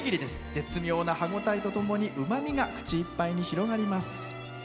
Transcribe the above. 絶妙な歯応えを感じるうまみが口いっぱいに広がります。